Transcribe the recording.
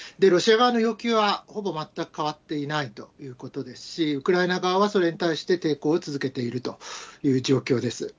ロシア側の要求はほぼ全く変わっていないということですし、ウクライナ側はそれに対して抵抗を続けているという状況です。